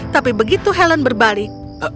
tapi begitu helen berbalik